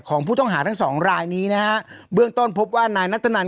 ของผู้ต้องหาทั้งสองรายนี้นะฮะเบื้องต้นพบว่านายนัทธนัน